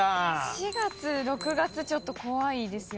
４月６月ちょっと怖いですよね。